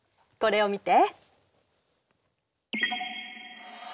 これを見て。